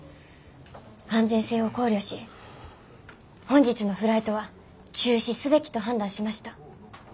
安全性を考慮し本日のフライトは中止すべきと判断しました。